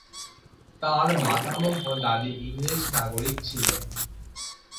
তাঁর মাতামহ দাদী ইংরেজ নাগরিক ছিলেন।